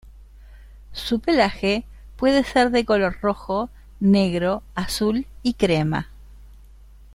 Su pelaje puede ser de color rojo, negro, azul y crema.